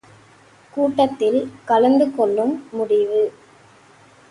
கூட்டத்தில் கலந்து கொள்ளும் முடிவு!